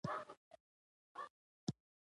ما له دوکانه د وریجو بوجي واخیست.